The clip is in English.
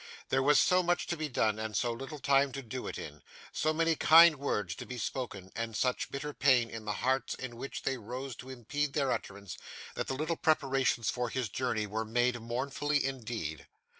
There was so much to be done, and so little time to do it in; so many kind words to be spoken, and such bitter pain in the hearts in which they rose to impede their utterance; that the little preparations for his journey were made mournfully indeed.